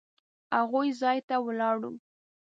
هغوی ځای ته ولاړو.